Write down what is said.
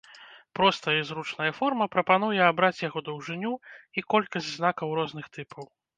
Простая і зручная форма прапануе абраць яго даўжыню і колькасць знакаў розных тыпаў.